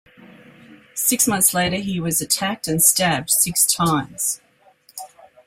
Six months later, he was attacked and stabbed six times.